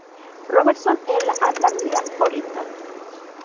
Robertson en la Antártida Oriental.